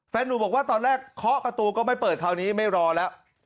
หนูบอกว่าตอนแรกเคาะประตูก็ไม่เปิดคราวนี้ไม่รอแล้ว